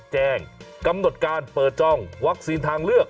แจ้งกำหนดการเปิดจ้องวัคซีนทางเลือก